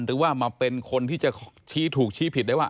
หรือว่ามาเป็นคนที่จะชี้ถูกชี้ผิดได้ว่า